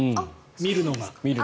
見るのが。